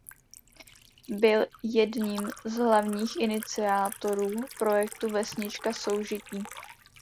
Byl jedním z hlavních iniciátorů projektu Vesnička soužití.